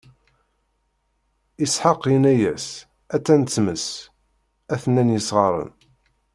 Isḥaq inna-yas: A-tt-an tmes, a-ten-an yesɣaren.